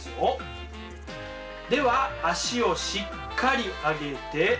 では足をしっかり上げて。